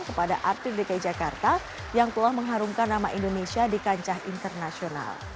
kepada artik dki jakarta yang telah mengharumkan nama indonesia di kancah internasional